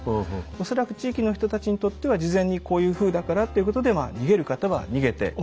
恐らく地域の人たちにとっては事前にこういうふうだからっていうことで逃げる方は逃げて。